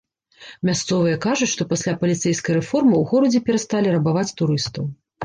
Мясцовыя кажуць, што пасля паліцэйскай рэформы ў горадзе перасталі рабаваць турыстаў.